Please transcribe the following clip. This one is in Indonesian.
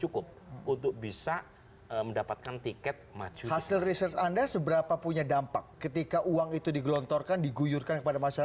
kepala kepala kepala